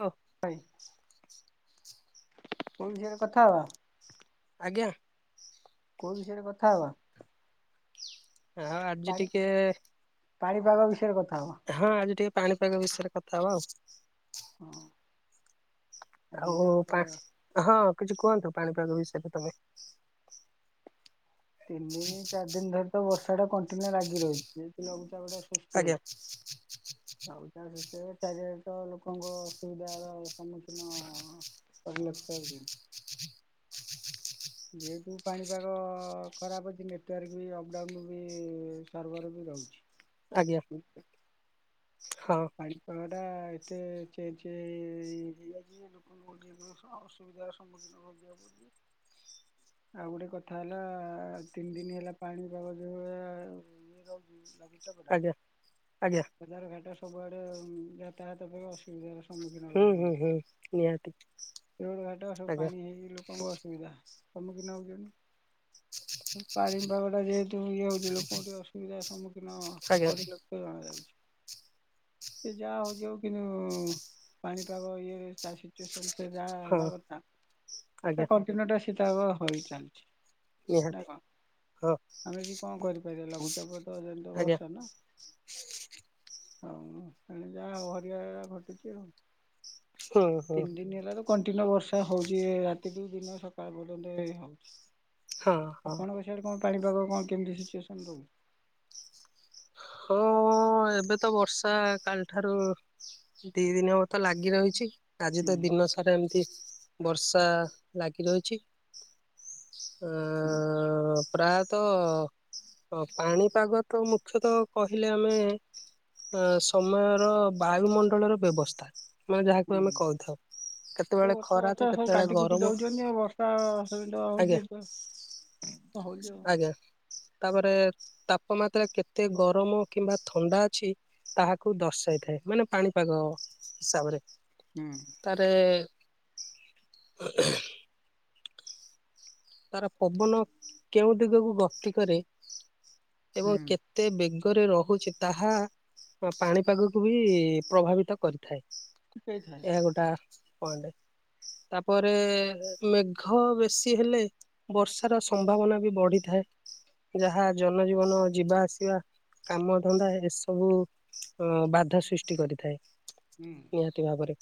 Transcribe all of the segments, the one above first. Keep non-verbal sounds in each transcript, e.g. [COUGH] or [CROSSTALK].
ହୋ। ଭାଇ କୋଉ ବିଷୟରେ କଥା ହବା? ଆଜ୍ଞା। କୋଉ ବିଷୟରେ କଥା ହବା? ହଁ ଆଜି ପାଣି ଟିକେ ପାଣିପାଗ ବିଷୟରେ କଥା ହବା। ହଁ ଆଜି ଟିକେ ପାଣିପାଗ ବିଷୟରେ କଥା ହବା ଆଉ। ହଁ। ଆଜି ଆଉ ଯୋଉ ହଁ କିଛି କୁହନ୍ତୁ ପାଣିପାଗ ବିଷୟରେ ତମେ। ତିନି ଦିନ ଚାରି ଦିନ ଧରି ତ ବର୍ଷା ଟା କଣ୍ଟିନ୍ୟୁ ଲାଗି ରହିଛି। ଲଘୁଚାପ ସୃଷ୍ଟି ଆଜ୍ଞା ହେଇଚି। ଆଉ ଚା ସେ ଚାରିଆଡେ ତ ଲୋକଙ୍କ ସୁବିଧାର ସମ୍ମୁଖୀନ ରହିଲା ସତର ଦିନ। ଯେହେତୁ ପାଣିପାଗ ଖରାପ ଅଛି ନେଟୱାର୍କ ବି ଅପଡ଼ାଉନ ବି ସର୍ଭର୍ ବି ରହୁଛି। [INAUDIBLE] ଆଜ୍ଞା। ହୁଁ। ହଁ। ପାଣିପାଗ ଟା ଏତେ ଚେଞ୍ଜ ହେଇ ହେଇଯାଇଛି ଆଉ। ମୁଁ କହୁଥିଲି ଅସୁବିଧାର ସମ୍ମୁଖୀନ। [UNINTELLIGIBLE] ଆଉ ଗୋଟେ କଥା ହେଲା ତିନି ଦିନ ହେଲା ପାଣି ପାାଗ ଯୋଉ ଭଳିଆ ଆଜ୍ଞା। ଆଜ୍ଞା [UNINTELLIGIBLE] ଜାର ଘାଟ ସବୁଆଡେ ଯାତାୟାତ ପାଇଁ ଅସୁବିଧା। ସମ୍ମୁଖୀନ ହୁଁ ହେବାକୁ ହୁଁ ପଡୁଛି। ହୁଁ ନିହାତି ଘାଟ ସବୁ ଆଜ୍ଞା ପାଣି ହେଇକି ଲୋକ କଣ କଣ ଅସୁବିଧା ସମ୍ମୁଖୀନ ହେଉଛନ୍ତିୁ? ପାଣିପାଗଟା ଯେହେତୁ ଇଏ ହୋଉଛି ଲୋକୋଙ୍କୁ ଟିକେ ଅସୁବିଧାର ସମ୍ମୁଖୀନ ଆଜ୍ଞା କରି ଲକ୍ଷ୍ୟ ଜଣାଯାଉଛି। ସେ ଯାହା ହୋଉଛି ଆଉ କିନ୍ତୁ ପାଣିପାଗ ଇଏ ଚାଷୀ ଯାହା ହଁ ହେବା କଥା ତା ଆଜ୍ଞା କଣ୍ଟିନ୍ୟୁ ଟା ଶୀତଳ ହୋଇ ଚାଲିଛି। ନା ନିହାତି। କଣ ହଁ ଆମେ କି କଣ କରିପାରିବା ଲଘୁଚାପ ଯେମିତିଆ ଆଜ୍ଞା ବର୍ଷା ନା। ଆଉ ଏଣେ ଯାହା ହରିଆ ଘଟୁଛି ଆଉ ହୁଁ ହୁଁ ତିନି ଦିନ ହେଲାରୁ କଣ୍ଟିନ୍ୟୁ ବର୍ଷା ହଉଛି ରାତି ଦୁ ଦିନ ସକାଳ ପର୍ଯ୍ୟନ୍ତ ହୋଉଛି। ହଁ ହଁ ଆପଣ? ସେଆଡେ଼ କଣ ପାଣି ପାଗ କଣ କେମିତି ସିଚୁଏସନ୍ ରହୁଚି। ହଁ ଏବେ ତ ବର୍ଷା କାଲିଠାରୁ ଦି ଦିନ ହବ ତ ଲାଗି ରହିଛି। ଆଜି ହୁଁ ତ ଦିନ ସାରା ଏମିତି ବର୍ଷା ଲାଗି ରହୁଛି। ଅ ହୁଁ ପ୍ରାୟତଃ ପାଣିପାଗ ତ ମୁଖ୍ୟତଃ କହିଲେ ଆମେ ଅ ସମୟର ବାୟୁମଣ୍ଡଳର ବ୍ୟବସ୍ଥା। ମାନେ ଯାହାକୁ ଆମେ କହୁଥାଉ। ସବୁ ଗଛ ବାଛ ସବୁ କାଟି କୁଟି ଦଉଛନ୍ତି। ଆଉ ବର୍ଷା ଆଜ୍ଞା ହଉଛି। ହୋଉଛି ଆଉ। ଆଜ୍ଞା ତାପରେ ତାପମାତ୍ରା କେତେ ଗରମ କିମ୍ବା ଥଣ୍ଡା ଅଛି। ତାହାକୁ ଦର୍ଶାଇ ଥାଏ ମାନେ ପାଣିପାଗ ହିସାବରେ। ହୁଁ। ତାରେ ତାର ପବନ କେଉଁ ଦିଗକୁ ଗତି କରେ ଏବଂ ହୁଁ କେ କେତେ ବେଗରେ ରହୁଛି ତାହା ପାଣିପାଗକୁ ବି ପ୍ରଭାବିତ କରିଥାଏ। ହେଇଥାଏ ଏହା ଗୋଟା ପଏଣ୍ଟ। ତାପରେ ମେଘ ବେଶୀ ହେଲେ ବର୍ଷାର ସମ୍ଭାବନା ବି ବଢିଥାଏ। ଯାହା ଜନଜୀବନ ଯିବା ଆସିବା କାମ ଧନ୍ଦା ଏସବୁ ଅ ବାଧା ସୃଷ୍ଟି କରିଥାଏ। ହୁଁ। ନିହାତି ଭାବରେ।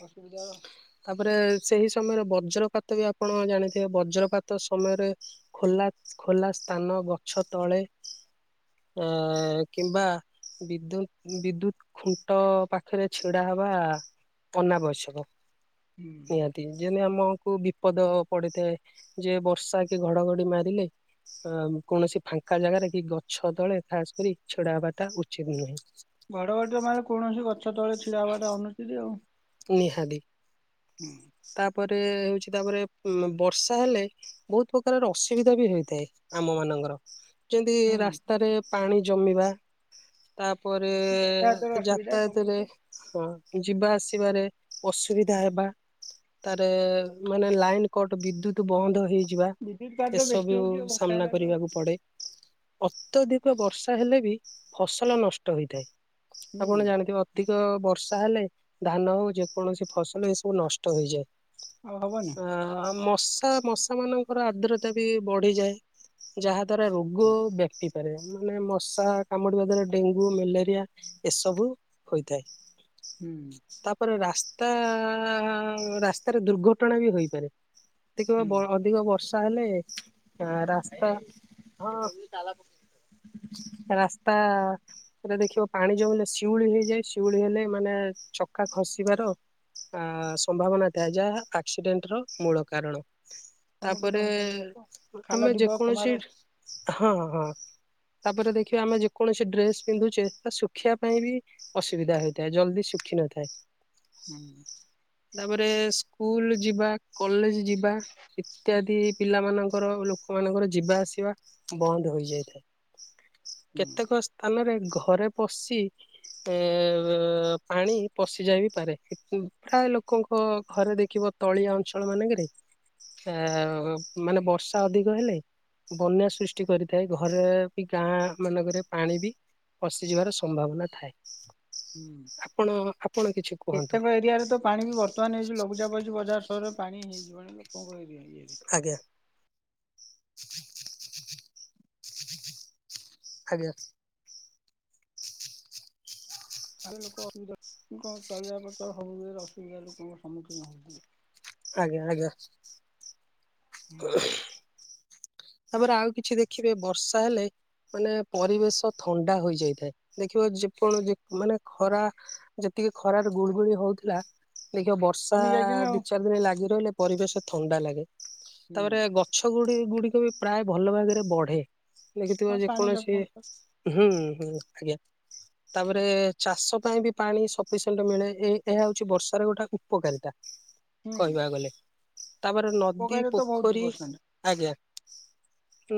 [UNINTELLIGIBLE] ଯାଅ। ତାପରେ ସେଇ ସମୟରେ ବଜ୍ରପାତ ବି ଆପଣ ଜାଣିଥିବେ ବଜ୍ରପାତ ସମୟରେ ଖୋଲା ଖୋଲା ସ୍ଥାନ ଗଛ ତଳେ ଅ କିମ୍ବା ବିଦ୍ୟୁତ ବିଦ୍ୟୁତ ଖୁଣ୍ଟ ପାଖରେ ଛିଡା ହବା ଅନାବଶ୍ୟକ ହୁଁ। ନିହାତି ଯେମିତି ଆମକୁ ବିପଦ ପଡିଥାଏ ଯେ ବର୍ଷା କି ଘଡଘଡି ମାରିଲେ ଅ କୌଣସି ଫାଙ୍କା ଜାଗାରେ କି ଗଛ ତଳେ ଖାସ କରି ଛିଡା ହବାଟା ଉଚିତ ନୁହେଁ। ଘଡଘଡ଼ି ତ ମାନେ କୌଣସି ଗଛ ତଳେ ଛିିଆ ହେବାଟା ଅନୁଚିତି ଆଉ। ନିହାଦି। ହୁଁ। ତାପରେ ହଉଛି ତାପରେ ବର୍ଷା ହେଲେ ବହୁତ ପ୍ରକାରର ଅସୁବିଧା ବି ହେଇଥାଏ ଆମ ମାନଙ୍କର। ଯେମିତି ହୁଁ ରାସ୍ତାରେ ପାଣି ଜମିବା ତାପରେ ଯାତାୟାତର ଅସୁବିଧା ସବୁ ଯାତାୟାତରେ ହଁ ଯିବା ଆସ୍ ବାରେ ଅସୁବିଧା ହେବା ତାର ମାନେ ଲାଇନ କଟ ବିଦ୍ୟୁତ ବନ୍ଦ ହେଇ ଯିବା ବିଦ୍ୟୁତ କାଟ ବେଶୀ ଏସବୁ ହଉଛି ଆଉ ବର୍ଷା ସାମ୍ନା ହେଲାଠୁ ଆଉ। କରିବାକୁ ପଡ଼େ। ଅତ୍ୟଧିକ ବର୍ଷା ହେଲେ ବି ଫସଲ ନଷ୍ଟ ହୋଇଥାଏ। ହୁଁ ଆପଣ ଜାଣିଥିବେ ଅଧିକ ବର୍ଷା ହେଲେ ଧାନ ହଉ ଯେକୌଣସି ଫସଲ ଏ ସବୁ ନଷ୍ଟ ହେଇଯାଏ ଆଉ ହବନି। ଆ ମ ତଥା ମଶା ମାନଙ୍କର ଆର୍ଦ୍ରତା ବି ବଢିଯାଏ ଯାହା ଦ୍ଵାରା ରୋଗ ବ୍ୟାପି ମାନେ ମଶା କାମୁଡିବା ଦ୍ଵାରା ଡେଙ୍ଗୁ ମ୍ୟାଲେରିଆ ଏସବୁ ହୋଇଥାଏ। ହୁଁ। ତାପରେ ରାସ୍ତା ରାସ୍ତାରେ ଦୁର୍ଘଟଣା ବି ହୋଇପାରେ। ଏତିକ ହୁଁ ଅଧିକ ବର୍ଷା ହେଲେ ରାସ୍ତା ହଁ। ରାସ୍ତା ସେଟା ଦେଖିବ ପାଣି ଜମିଲେ ଶିଉଳି ହେଇଯାଏ ଶିଉଳି ହେଲେ ମାନେ ଚକା ଖସିବାର ଅ ସମ୍ଭାବନା ଥାଏ ଯାହା ଆକ୍ସିଡେଣ୍ଟ ର ମୂଳ କାରଣ। ସମ୍ମୁଖୀନ ତାପରେ ହୋଇଥାନ୍ତି ଲୋକ ଖାଲ ଆମେ ଢିପ ଯେକୌଣସି କମାରେ ହଁ ହଁ। ତାପରେ ଦେଖିବା ଆମେ ଯେକୌଣସି ଡ୍ରେସ ପିନ୍ଧୁଛେ ତା ଶୁଖିବା ପାଇଁ ବି ଅସୁବିଧା ହୋଇଥାଏ ଜଲଦି ଶୁଖି ନ ଥାଏ। ହୁଁ। ତାପରେ ସ୍କୁଲ ଯିବା କଲେଜ ଯିବା ଇତ୍ୟାଦି ପିଲାମାନାନଙ୍କର ଲୋକମାନଙ୍କର ଯିବା ଆସିବା ବନ୍ଦ ହେଇଯାଇଥାଏ। କେତେକ ସ୍ ଆମେରେ ଘରେ ପଶି ଏ ପାଣି ପଶିଯାଇ ବି ପାରେ ପ୍ରାୟ ଲୋକଙ୍କ ଘରେ ଦେଖିବ ତଳିଆ ଅଞ୍ଚଳ ମାନଙ୍କରେ ଆ ମାନେ ବର୍ଷା ଅଧିକ ହେଲେ ବନ୍ୟା ସୃଷ୍ଟି କରିଥାଏ ଘରେ ବି ଗାଁ ମାନଙ୍କରେ ପାଣି ବି ପସିଯିବାର ସମ୍ଭାବନା ଥାଏ ଆପଣ ଆପଣ କିଛି କୁହନ୍ତୁ କେତେବେ ଏରିଆରେ ତ ପାଣି ବି ବର୍ତ୍ତମାନ ଏଇ ଯୋଉ ଲଘୁଚାପ ହେଇଛି ବଜାର ସହରରେ ପାଣି ହେଇଯିବଣି ଲୋକଙ୍କ ଇଏରେ ଆଜ୍ଞା। ଆଜ୍ଞା। ଲୋକ ଅସୁବିଧା ଲୋକଙ୍କ ଚାଲିବା ପଥ ହଉ ଅସୁବିଧା ଲୋକଙ୍କ ସମ୍ମୁଖୀନ ହଉଛନ୍ତି। ଆଜ୍ଞା ଆଜ୍ଞା। ହୁଁ [UNINTELLIGIBLE] ତାପରେ ଆଉ କିଛି ଦେଖିବେ ବର୍ଷା ହେଲେ ମାନେ ପରିବେଶ ଥଣ୍ଡା ହୋଇଯାଇଥାଏ ଦେଖିବ ଯେ କଣ ମାନେ ଖରା ଯେତିକି ଖରାରେ ଗୁଳଗୁଳି ହଉଥିଲା ଦେଖିବ ବ ବର୍ଷା କମି ଯାଇଛି ନା ଆଉ ଦି ଚାରି ଦିନ ଲାଗି ରହିଲେ ପରିବେଶ ଥଣ୍ଡା ଲାଗେ ହୁଁ ତାପରେ ଗଛ ଗୁଡି ଗୁଡି ବି ପ୍ରାୟ ଭଲ ଭାଗରେ ବଢେ ଦେଖିଥିବା ହଁ ପାଣି ଯେକୌଣସି ସଫିସେଣ୍ଟ ତ ହୁଁ ହୁଁ ଆଜ୍ଞା। ତାପରେ ଚାଷ ପାଇଁ ବି ପାଣି ସଫିସେଣ୍ଟ ମିଳେ ଏ ଏହା ହଉଛି ବର୍ଷାର ଗୋଟେ ଉପକାରିତା ହୁଁ କହିବାକୁ ଗଲେ ତାପରେ ନଦୀ ପକାରେ ତ ବହୁତ ପୋଖରୀ ପରସେଣ୍ଟ ଆଜ୍ଞା।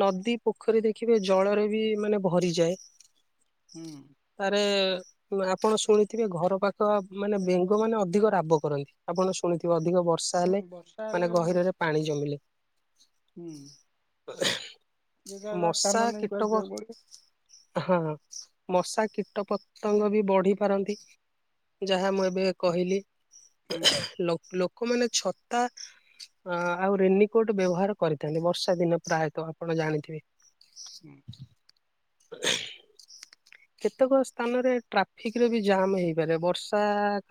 ନଦୀ ପୋଖରୀ ଦେଖିବେ ଜଳରେ ବି ମାନେ ଭରିଯାଏ। ହୁଁ। ଆରେ ଆପଣ ଶୁଣିଥିବେ ଘର ପାଖ ମାନେ ବେଙ୍ଗ ମାନେ ଅଧିକ ରାବ କରନ୍ତି ଆପଣ ଶୁଣିଥିବେ ଅଧିକ ବର୍ଷା ବର୍ଷା ହୁଁ ହେଲେ ବର୍ଷା ହେଲେ ମାନେ ଗହିରରେ ପାଣି ଜମିଲେ ହୁଁ। ଯେ ଯାହା ଯାହା ସ୍ଥାନ ମଶା ନେଇ କୁଆଡେ କୀଟପ ଯିବାକୁ ପଡିବ ହଁ ମଶା କୀଟ ପତଙ୍ଗ ବି ବଢି ପାରନ୍ତି। ଯାହା ମୁଁ ଏବେ କହିଲି ହୁଁ ଲୋକ ଲୋକ ଲୋକମାନେ ଛତା ଆଉ ରେନିକୋଟ ବ୍ୟବହାର କରିଥାନ୍ତି ବର୍ଷ ଷା ଦିନ ପ୍ରାୟତଃ ଆପଣ ଜାଣିଥିବେ ହୁଁ। [INAUDIBLE] କେତେକ ସ୍ଥାନରେ ଟ୍ରାଫିକରେ ବି ଜାମ ହେଇପାରେ ବର୍ଷା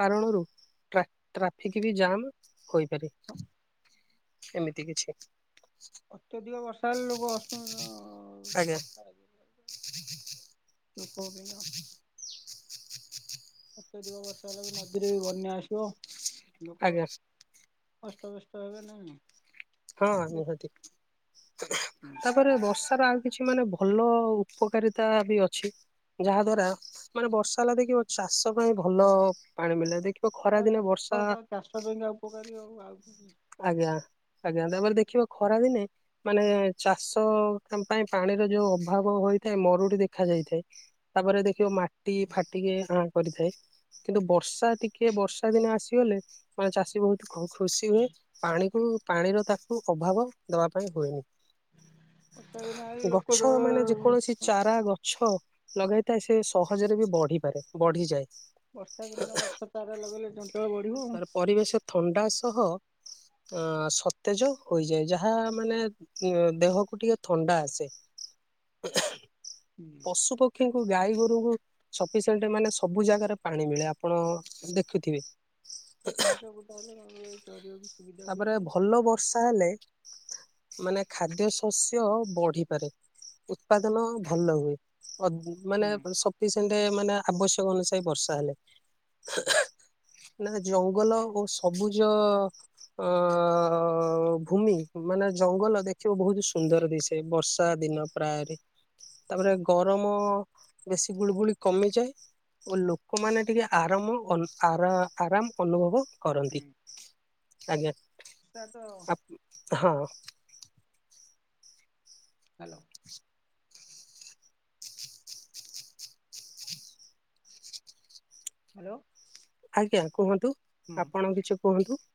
କାରଣରୁ ଟ୍ରା ଟ୍ରାଫିକ ବି ଜାମ ହୋଇପାରି ଏମିତି କିଛି ଅତ୍ୟଧିକ ବର୍ଷା ହେଲେ ଲୋକ ବ୍ୟ ଆଜ୍ଞା ଲୋକଙ୍କ ପାଇଁକା ଅତ୍ୟଧିକ ବର୍ଷା ହେଲା ବି ନଦୀରେ ବି ବନ୍ୟା ଆସିବ ଲୋକ ଆଜ୍ଞା ଅସ୍ତବ୍ୟସ୍ତ ହେବେ ନା ନାହିଁ? ହଁ ନିହାତି ହୁଁ। ତାପରେ ବର୍ଷାର ଆଉ କିଛି ମାନେ ଭଲ ଉପକାରିତା ବି ଅଛି। ଯାହା ଦ୍ଵାରା ମାନେ ବର୍ଷା ହେଲା ଦେଖିବ ଚାଷ ପାଇଁ ଭଲ ପାଣି ମିଳିଲା ଦେଖ ତାର ତ ପ୍ରଥମ ତ ଚାଷ ପାଇଁକା ଆଉ ଉପକାରୀ ଆଉ ଆଉ ଆଜ୍ଞା ଆଜ୍ଞା ତାପରେ ଦେଖିବ ଖରା ଦିନେ ମାନେ ଚାଷ ପାଇଁ ପାଣିର ଯୋଉ ଅଭାବ ହୋଇଥାଏ ମରୁଡି ଦେଖା ଯାଇଥାଏ। ତାପରେ ଦେଖିବ ମାଟି ଫାଟିକି ଆଁ କରିଥାଏ। କିନ୍ତୁ ବର୍ଷା ଟିକେ ବର୍ଷା ଦିନ ଆସିଗଲେ ମାନେ ଚାଷୀ ବହୁତ ଖ ଖୁସି ହୁଏ ପାଣିକୁ ପାଣିର ତାକୁ ଅଭାବ ଦବା ପାଇଁ ବର୍ଷା ଦିନ ଆଇଲେ ହୁଏନି। ଲୋକ ଗଛ ଜର ମାନେ ଯେ କୌଣସି ଚାରା ଗଛ ଲଗାଇଥାଏ ସେ ସହଜରେ ବି ବଢିପାରେ ବଢିଯାଏ। ବର୍ଷା ଦିନ ଗଛ ଚାରା ଲଗେଇଲେ ଜଞ୍ଚଳ ବଢିବ ଆ ତାର ପରିବେଶ ଥଣ୍ଡା ସହ ଅ ସତେଜ ହୋଇଯାଏ ଯାହା ମାନେ ଦେହକୁ ଟିକେ ଥଣ୍ଡା ଆସେ। ପଶୁ ପକ୍ଷୀଙ୍କୁ ଗାଈ ଗୋରୁଙ୍କୁ ସଫିସିଏଣ୍ଟ ମାନେ ସବୁ ଜାଗାରେ ପାଣି ମିଳେ ଆପଣ ଦେଖୁଥିବେ? [INAUDIBLE] ତାହେଲେ ଚଢଳିବ। ତାପରେ ଭଲ ବର୍ଷ ତାହେଲେ ମାନେ ଖାଦ୍ୟ ଶସ୍ୟ ବଢିପାରେ। ଉତ୍ପାଦନ ଭଲ ହୁଏ ଅ ହୁଁ ମାନେ ସ ସେ ମାନେ ଆବଶ୍ୟକ ଅନୁସାୟୀ ବର୍ଷା ହେଲେ। ନା ଜଙ୍ଗଲ ଓ ସବୁଜ ଅ ଭୂମି ମାନେ ଜଙ୍ଗଲ ଦେଖିବ ବହୁତ ସୁନ୍ଦର ଦିସେ ବର୍ଷ ବର୍ଷା ଦିନ ପ୍ରାୟରେ ତାପରେ ଗରମ ବେଶୀ ଗୁଳିୁଗୁଳି କମିଯାଏ। ଓ ଲୋକମାନେ ଟିକେ ଆରାମ ଆର ଆରାମ ଅନୁଭବ କରନ୍ତି। ଆଜ୍ଞା। ତା ତ ଆ ହଁ। ହ୍ୟାଲୋ। [INAUDIBLE] ହ୍ୟାଲୋ। ଆଜ୍ଞା କୁହନ୍ତୁ ହୁଁ ଆପଣ କିଛି କୁହନ୍ତୁ।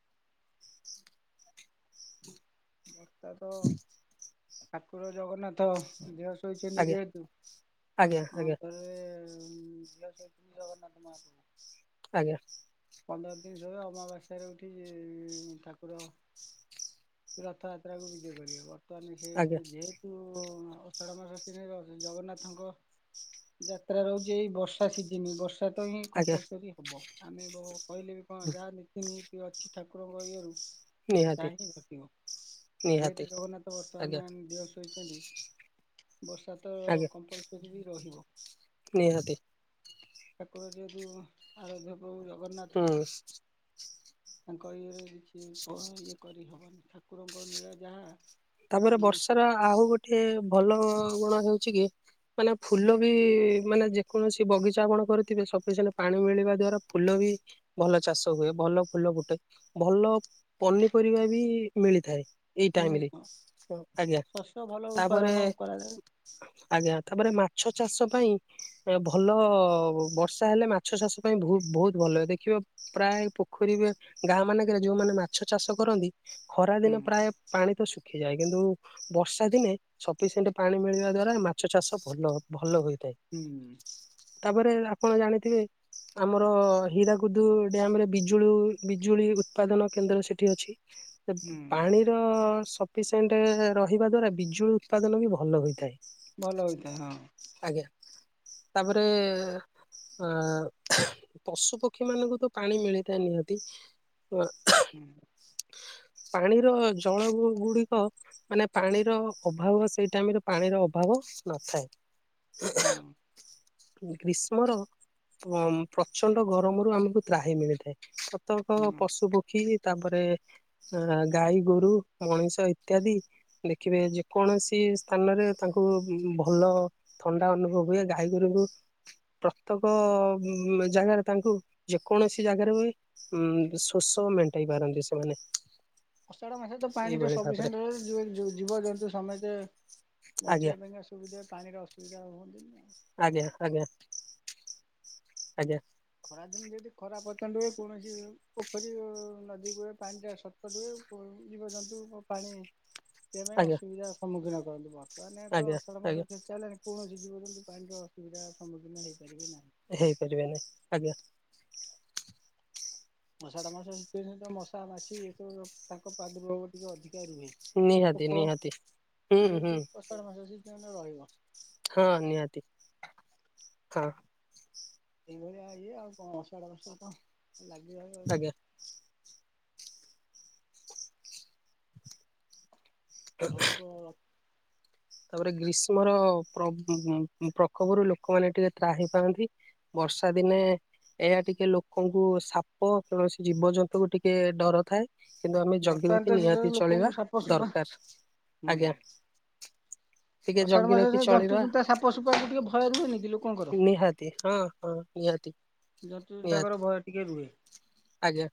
ବର୍ଷ ତ ଠାକୁର ଜଗନ୍ନାଥ ଦେହସ୍ ଶୋଇଛନ୍ତି ଆଜ୍ଞା ଯେହେତୁ ଆଜ୍ଞା ହ ଆଜ୍ଞା ଥରେ ଝିଅ ଶୋଇଛନ୍ତି ଜଗନ୍ନା ତ ମା ଆଜ୍ଞା। ପନ୍ଦର ଦିନି ଶୋଇ ଅମାବାସ୍ୟାରେ ଉଠି ଠାକୁର ସେ ରଥଯାତ୍ରାକୁ ବିଜେ କରିବେ ବର୍ତ୍ତମାନ ସେ ଆଜ୍ଞା ସେ ଯେହେ ଆଷାଢ ମାସ ଜଗନ୍ନାଥଙ୍କ ଯାତ୍ରା ରହୁଛି ଏଇ ବର୍ଷା ସିଜିନ ବର୍ଷା ସେଟ ହିଁ ଆଜ୍ଞା କମ୍ପଲସରି ହେବ ଆମେ କହିଲେ ବି କଣ ହୁଁ ଯାହା ନତିନି ଏ ଅଛି ଠାକୁରଙ୍କ ଇଏରୁ ତାହା ନିହାତି। ହିଁ ଘଟିବ ନିହାତି ଯେହେତୁ ଜଗନ୍ନାଥ ଆଜ୍ଞା ବର୍ତ୍ତମାନ ଦେହ ଶୋଇଛନ୍ତି ବର୍ଷା ତ ଆଜ୍ଞା କମ୍ପଲସରି ବି ରହିବ। ନିହାତି। ଠାକୁର ଯେହେତୁ ଆରାଧ୍ୟ ପ୍ରଭୁ ହୁଁ ଜଗନ୍ନାଥ। ତାଙ୍କ ଇଏରେ କିଛି ଇଏ କରିହବନି ଠାକୁରଙ୍କ ନୀଳା ଯାହା ତାପରେ ଆମେ ବର୍ଷାର ଆଉ ଗୋଟେ ଭଲ ଗୁଣ ହଉଛି କି। ମାନେ ଫୁଲ ବି ମାନେ ଯେକୌଣସି ବଗିଚା ଆପଣ କରୁଥିବେ ସଫିସିଏଣ୍ଟ ପାଣି ମିଳିବା ଦ୍ଵାରା ଫୁଲ ବି ଭଲ ଚାଷ ହୁଏ ଭଲ ଫୁଲ ଫୁଟେ ଭଲ ପନିପରିବା ବି ମିଳିଥାଏ। ଏଇ ଟାଇମରେ ହୁଁ ଆଜ୍ଞା ଶସ୍ୟ ଭଲ ତାପରେ ଉତ୍ପାଦନ କରାଯାଏ। ଆଜ୍ଞା ତାପରେ ମାଛ ଚାଷ ପାଇଁ ଭଲ ବର୍ଷା ହେଲେ ମାଛ ଚାଷ ପାଇଁ ବହୁତ ଭଲ ଦେଖିବ ପ୍ରାୟ ପୋଖରୀରେ ଗାଁ ମାନଙ୍କରେ ଯୋଉମାନେ ମାଛ ଚାଷ କରନ୍ତି ଖରା ହୁଁ ଦିନେ ପ୍ରାୟ ପାଣି ତ ଶୁଖିଯାଏ କିନ୍ତୁ ବର୍ଷା ଦିନେ ସଫିସିଏଣ୍ଟ ପାଣି ମିଳିବା ଦ୍ଵାରା ମାଛ ଚାଷ ଭଲ ଭଲ ହୋଇଥାଏ। ହୁଁ। ତାପରେ ଆପଣ ଜାଣିଥିବେ ଆମର ହୀରାକୁୁଦୁ ଡ୍ୟାମ ରେ ବିଜୁଳି ବିଜୁଳି ଉତ୍ପାଦନ କେନ୍ଦ୍ର ସେଠି ଅଛି। ହୁଁ ପାଣିର ସ ଣ୍ଟ ରହିବା ଦ୍ଵାରା ବିଜୁଳି ଉତ୍ପାଦନ ବି ଭଲ ହୋଇଥାଏ। ଭଲ ହୋଇଥାଏ ହଁ। ଆଜ୍ଞା ତାପରେ ଅ ପଶୁ ପକ୍ଷୀ ମାନଙ୍କୁ ତ ପାଣି ମିଳିଥାଏ ନିହାତି ଅ ହୁଁ। ପାଣିର ଜଳ ଗୁଡ ମାନେ ପାଣିର ଅଭାବ ସେଇ ଟାଇମରେ ପାଣିର ଅଭାବ ନଥାଏ। ହୁଁ ଗ୍ରୀଷ୍ମ ର ପ୍ରଚଣ୍ଡ ଗରମରୁ ଆମକୁ ତ୍ରାହି ମିଳିଥାଏ। ପ୍ରତକ ହୁଁ। ପଶୁ ପକ୍ଷୀ ତାପରେ ଅ ଗାଈ ଗୋରୁ ମଣିଷ ଇତ୍ୟାଦି ଦେଖିବେ ଯେକୌଣସି ସ୍ଥାନରେ ତାଙ୍କୁ ଭଲ ଥଣ୍ଡା ଅନୁଭବ ହୁଏ ଗାଈ ଗୋରୁଙ୍କୁ ପ୍ରତ୍ୟେକ ଜାଗାରେ ତାଙ୍କୁ ଯେକୌଣସି ଜାଗାରେ ହୁଏ ଉଁ ଶୋଷ ମେଣ୍ଟେଇ ପାରନ୍ତି ସେମାନେ ଅଷାଢ଼ ମାସରେ ତ ପାଣି ଏଇଭଳି ଭାବରେ ସଫିସିଏଣ୍ଟ ରହେ ଜୀବଜନ୍ତୁ ସମେତେ ଆଜ୍ଞା ବଞ୍ଚିବା ପାଇଁ ସୁବିଧା ପାଣିର ଅସୁବିଧା ହୁଅ [UNINTELLIGIBLE] ଆଜ୍ଞା ଆଜ୍ଞା ଆଜ୍ଞା। ଖରାଦିନ ଯଦି ଖରା ପତନ ହୁଏ କୌଣସି ପୋଖରୀ ନଦୀ ହୁଏ ପାଣିଟା ସ [UNINTELLIGIBLE] ରୁହେ। ଯୀବଯନ୍ତୁ ପାଣି ସେ ପାଇଁ ଆଜ୍ଞା ଅସୁବିଧାର ସମ୍ମୁଖୀନ କରନ୍ତି ବର୍ତ୍ତମାନ ଆଜ୍ଞା ଅଷାଢ଼ ଆଜ୍ଞା ମାସ ଶେଷ ହେଲାଣି। କୌଣସି ଜୀବଜନ୍ତୁ ପାଣିର ଅସୁବିଧାର ସମ୍ମୁଖୀନ ହେଇପାରିବେ ନାହିଁ। ହେଇପାରିବେନି ଆଜ୍ଞା। ମଶା ଟା ମାସ ମଶା ମାଛି ତ ତାଙ୍କ ପ୍ରାର୍ଦୁଭାବ ଟିକେ ଅଧିକା ରୁହେ ନିହାତି ପୋକ ନିହାତି ହୁଁ ହୁଁ ଯେହେତୁ [UNINTELLIGIBLE] ରହିବ ହଁ ନିହାତି ହଁ। ଏଇଭଳିଆ ଇଏ ଆଉ କଣ ଅଷାଢ଼ ବର୍ଷା କ ଲାଗି ରହିବ ଆଜ୍ଞା ଏମିତି। [UNINTELLIGIBLE] ତାପରେ ଗ୍ରୀଷ୍ମର ପ୍ର ପ୍ରକୋପରୁ ଲୋକମାନେ ଟିକେ ତ୍ରାହି ପାଆନ୍ତି। ବର୍ଷା ଦିନେ ଏହା ଟିକେ ଲୋକଙ୍କୁ ସାପ କୌଣସି ଜୀବଜନ୍ତୁ ଙ୍କୁ ଟିକେ ଡର ଥାଏ। କିନ୍ତୁ ଆମେ ଜଗି ବର୍ତ୍ତମାନ ତ ରଖି ସେ ଯୋଉ ନିହାତି ଲୋକଙ୍କୁ ଚଳିବା ସାପ ସୁପା ଦରକାର ହୁଁ ଆଜ୍ଞା। ଟିକେ ଅଷାଢ଼ ଜଗି ରଖି ମାସରେ ଜନ୍ତୁ ଚଳିବା ଜୁନ୍ତା ସାପ ସୁପାକୁ ଟିକେ ଭୟ ରୁହେନି କି ଲୋକଙ୍କର ନିହାତି ହଁ ହଁ। ନିହାତି। ଯନ୍ତୁ ତାଙ୍କର ନିହାତି ଭୟ ଟିକେ ରୁହେ। ଆଜ୍ଞା।